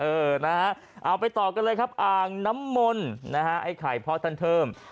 เออนะฮะเอาไปต่อกันเลยครับอ่างน้ำมนต์นะฮะไอ้ไข่พ่อท่านเทิม